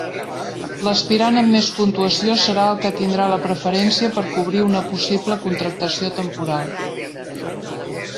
L'aspirant amb més puntuació serà el que tindrà la preferència per cobrir una possible contractació temporal.